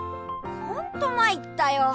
ほんと参ったよ。